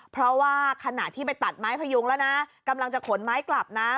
เพราะว่าขณะที่ไปตัดไม้พยุงแล้วนะกำลังจะขนไม้กลับนะ